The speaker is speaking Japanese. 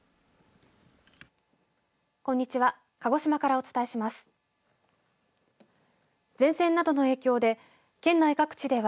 こんにちは。